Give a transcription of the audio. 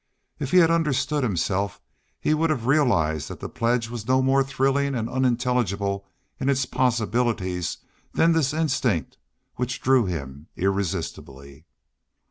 If he had understood himself he would have realized that the pledge was no more thrilling and unintelligible in its possibilities than this instinct which drew him irresistibly.